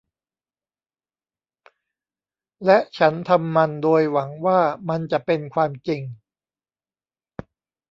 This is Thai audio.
และฉันทำมันโดยหวังว่ามันจะเป็นความจริง